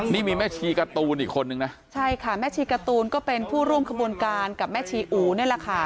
นี่มีแม่ชีการ์ตูนอีกคนนึงนะใช่ค่ะแม่ชีการ์ตูนก็เป็นผู้ร่วมขบวนการกับแม่ชีอู๋นี่แหละค่ะ